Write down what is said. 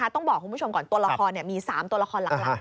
ต้องบอกคุณผู้ชมก่อนตัวละครมี๓ตัวละครหลัก